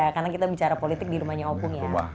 karena kita bicara politik di rumahnya opung ya